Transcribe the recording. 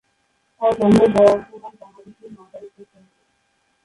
তাঁর জন্ম বর্তমান বাংলাদেশের মাদারীপুর শহরে।